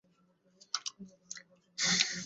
তিনি ইটন এবং ক্যামব্রিজ-এ শিক্ষা লাভ করেন।